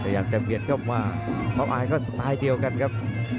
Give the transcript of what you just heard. ยังเย็นครับว่าข้อมันก็สไตล์เดียวกันครับ